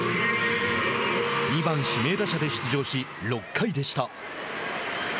２番指名打者で出場し６回でした。